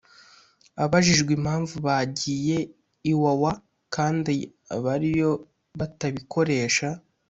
Abajijwe impamvu bagiye i Wawa kandi abariyo batabikoresha